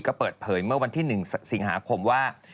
ก็เปิดเผยเมื่อวันที่๑สิงหาคมว่า